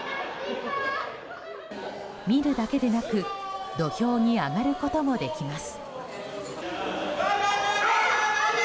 見るだけでなく土俵に上がることもできます。